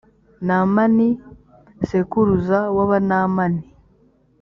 namani sekuruza w’abanamani.